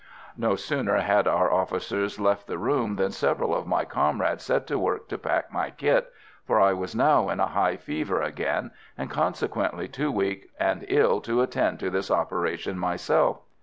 No sooner had our officers left the room than several of my comrades set to work to pack my kit, for I was now in a high fever again, and consequently too weak and ill to attend to this operation myself.